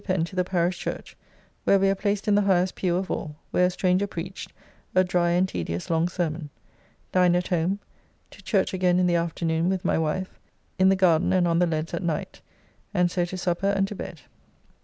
Pen to the parish church, where we are placed in the highest pew of all, where a stranger preached a dry and tedious long sermon. Dined at home. To church again in the afternoon with my wife; in the garden and on the leads at night, and so to supper and to bed.